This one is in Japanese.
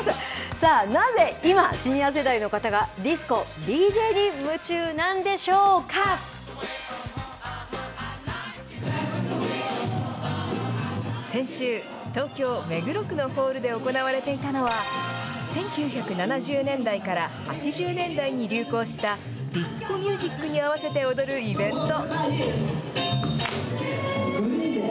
さあ、なぜ今、シニア世代の方がディスコ、先週、東京・目黒区のホールで行われていたのは、１９７０年代から８０年代に流行したディスコミュージックに合わせて踊るイベント。